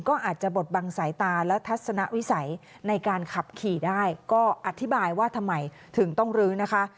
ก็อาจจะบดบังสายตาและทัศนวิสัยในการขับขี่ได้ก็อธิบายว่าทำไมถึงต้องลื้อนะคะ